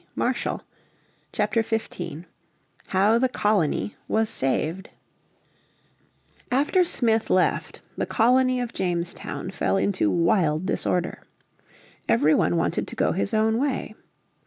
__________ Chapter 15 How the Colony was Saved After Smith left, the colony of Jamestown fell into wild disorder. Every one wanted to go his own way.